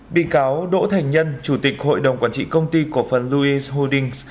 bị cáo đỗ thành nhân chủ tịch hội đồng quản trị công ty cổ phần louice holdings